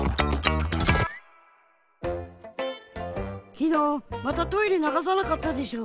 きのうまたトイレながさなかったでしょ。